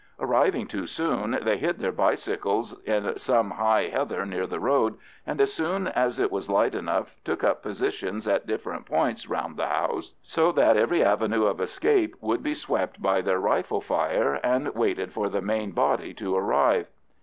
Arriving too soon, they hid their bicycles in some high heather near the road, and as soon as it was light enough took up positions at different points round the house, so that every avenue of escape would be swept by their rifle fire, and waited for the main body to arrive.